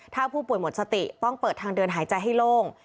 ถ้าผู้ป่วยหมดสติต้องเปิดทางเดินหายใจให้โล่ง